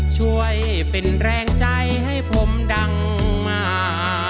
ช่วยเป็นแรงใจให้ผมดังมา